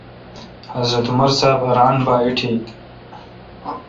حضرت عمر صاب ا ران با ایٹیت